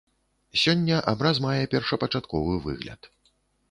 Сёння абраз мае першапачатковы выгляд.